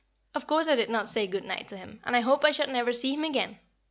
Of course I did not say good night to him, and I hope I shall never see him again.